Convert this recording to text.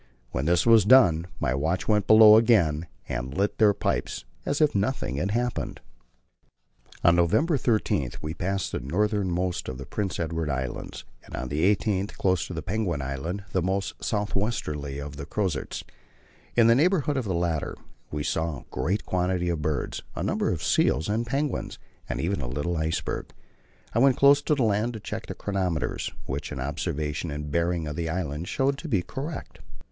When this was done, my watch went below again and lit their pipes as if nothing had happened. On November 13 we passed the northernmost of the Prince Edward Islands, and on the 18th close to Penguin Island, the most south westerly of the Crozets. In the neighbourhood of the latter we saw a great quantity of birds, a number of seals and penguins, and even a little iceberg. I went close to the land to check the chronometers, which an observation and bearings of the islands showed to be correct.